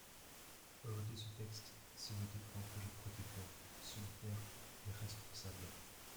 Voter ce texte, c’est voter pour un projet protecteur, solidaire et responsable.